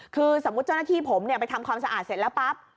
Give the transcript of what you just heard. คือสมมุติเจ้าหน้าที่ผมไปทำความสะอาดเสร็จแล้วปั๊บ